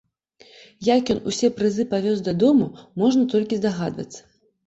Як ён усё прызы павёз дадому, можна толькі здагадвацца.